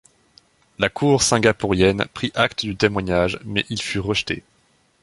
La cour singapourienne prit acte du témoignage mais il fut rejeté.